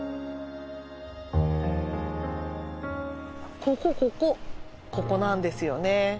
ここここここなんですよね